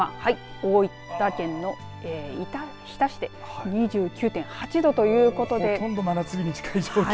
大分県の日田市で２９．８度ということでほとんど真夏日に近い状況。